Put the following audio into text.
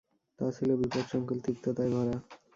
তা ছিল বিপদসংকুল, তিক্ততায় ভরা।